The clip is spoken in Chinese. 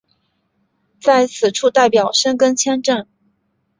在此处代表申根签证。